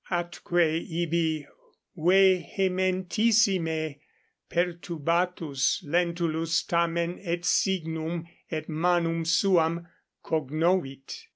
Atque ibi vehementissime perturbatus Lentulus tamen et signum et manum suam cognovit.